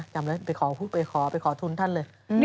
จำไว้ไปขอไปขอทุนท่านเลย